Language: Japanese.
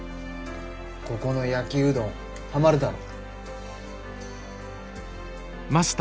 ここの焼きうどんはまるだろ？